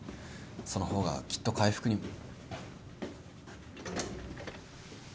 その方がきっと回復にも。